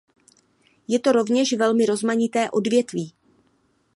Je to rovněž velmi rozmanité odvětví.